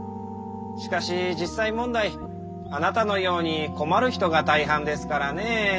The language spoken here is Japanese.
しかし実際問題あなたのように困る人が大半ですからねェー。